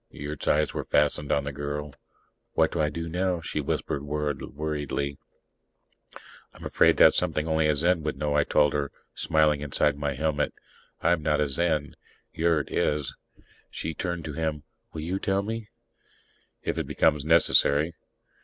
Yurt's eyes were fastened on the girl. "What do I do now?" she whispered worriedly. "I'm afraid that's something only a Zen would know," I told her, smiling inside my helmet. "I'm not a Zen. Yurt is." She turned to him. "You will tell me?" "If it becomes necessary."